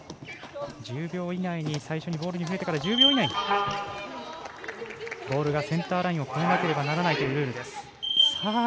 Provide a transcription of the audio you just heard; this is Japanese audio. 最初にボールに触れてから１０秒以内、ボールがセンターラインを越えなければならないというルールです。